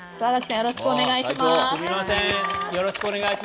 よろしくお願いします。